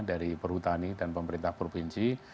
dari perhutani dan pemerintah provinsi